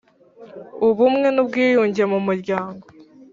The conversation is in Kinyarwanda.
Ubumwe n ubwiyunge mu muryango